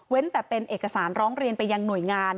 แต่เป็นเอกสารร้องเรียนไปยังหน่วยงาน